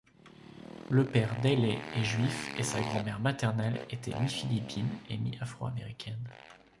Le père d’Hailee est juif et sa grand-mère maternelle était mi-philippine et mi-afro-américaine.